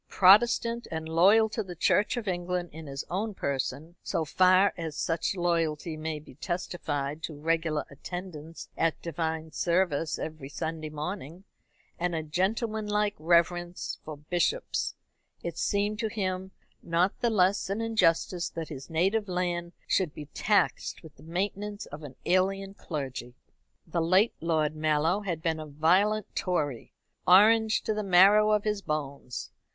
Protestant, and loyal to the Church of England in his own person so far as such loyalty may be testified by regular attendance at divine service every Sunday morning, and a gentlemanlike reverence for bishops it seemed to him not the less an injustice that his native land should be taxed with the maintenance of an alien clergy. The late Lord Mallow had been a violent Tory, Orange to the marrow of his bones.